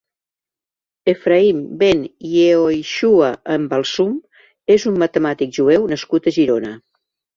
Efraïm ben Iehoixua en Balsum és un matemàtic jueu nascut a Girona.